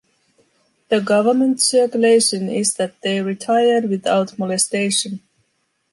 The government circulation is that they retired without molestation.